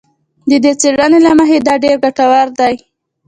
د دې څېړنې له مخې دا ډېر ګټور دی